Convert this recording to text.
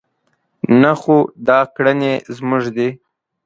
نه خو دا کړنې زموږ دي.